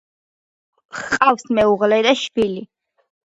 ჰყავს მეუღლე და შვილი.